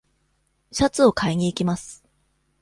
シャツを買いにいきます。